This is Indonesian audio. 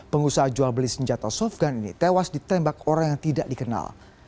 pengusaha jual beli senjata softgun ini tewas ditembak orang yang tidak dikenal